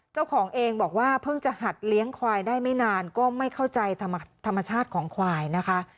เจ้าของเองบอกว่าเพิ่งจะหัดเลี้ยงควายได้ไม่นานก็ไม่เข้าใจธรรมชาติของควายนะคะ